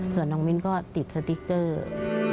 ส่วนน้องมิ้นก็ติดสติด